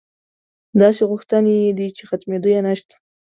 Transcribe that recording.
داسې غوښتنې یې دي چې ختمېدا یې نشته.